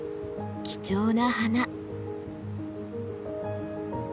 貴重な花。